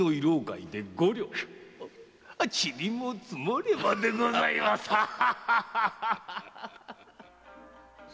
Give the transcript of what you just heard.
〔「塵も積もれば」でございます！〕